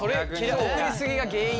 送り過ぎが原因で。